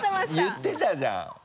言ってたじゃん。